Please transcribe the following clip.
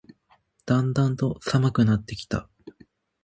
だんだんと寒くなってきた